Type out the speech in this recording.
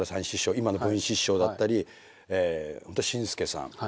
今の文枝師匠だったり紳助さん